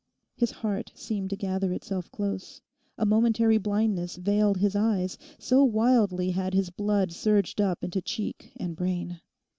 His heart seemed to gather itself close; a momentary blindness veiled his eyes, so wildly had his blood surged up into cheek and brain.